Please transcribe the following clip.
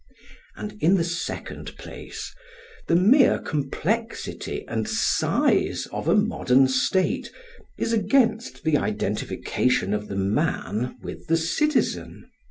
And, in the second place, the mere complexity and size of a modern state is against the identification of the man with the citizen.